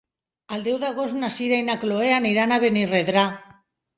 El deu d'agost na Sira i na Chloé aniran a Benirredrà.